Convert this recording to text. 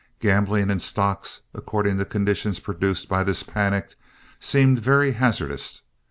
Gambling in stocks, according to conditions produced by this panic, seemed very hazardous.